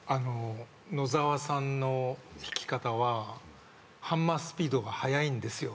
野澤さんの弾き方はハンマースピードが速いんですよ